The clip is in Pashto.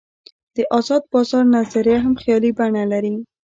د آزاد بازار نظریه هم خیالي بڼه لري.